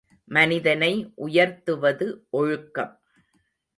மனிதனை உயர்த்துவது ஒழுக்கம்.